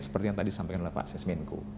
seperti yang tadi disampaikan oleh pak sesmenko